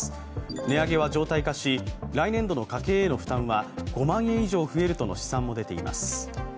値上げは常態化し、来年度の家計への負担は５万円以上増えるとの試算も出ています。